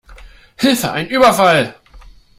Hilfe ein Überfall!